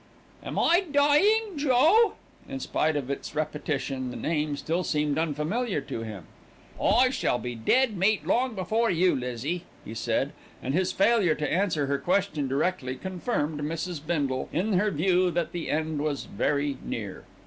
"Am I dying, Joe?" In spite of its repetition, the name still seemed unfamiliar to him. "I shall be dead meat long before you, Lizzie," he said, and his failure to answer her question directly, confirmed Mrs. Bindle in her view that the end was very near.